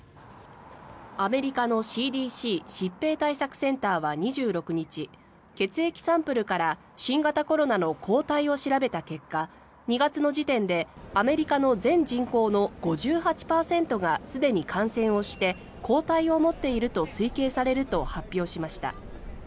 アメリカのＣＤＣ・疾病対策センターは２６日血液サンプルから新型コロナの抗体を調べた結果２月の時点でアメリカの全人口の５８％がすでに感染をして抗体を持っていると推計されると発表しました。